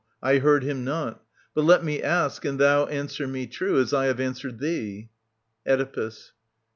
I heard him not. — But let me ask and thou Answer me true, as I have answered thee. Oedipus.